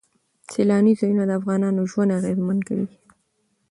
سیلانی ځایونه د افغانانو ژوند اغېزمن کوي.